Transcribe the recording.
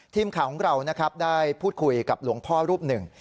ทีมข่าวของเรานะครับได้พูดคุยกับหลวงพ่อรูปหนึ่ง